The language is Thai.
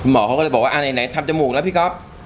หมอเขาก็เลยบอกว่าไหนทำจมูกแล้วพี่ก๊อฟ